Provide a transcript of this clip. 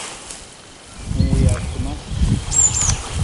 Ng wii asima.